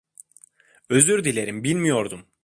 Özür dilerim, bilmiyordum.